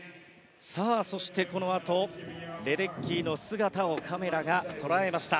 そして、このあとレデッキーの姿をカメラが捉えました。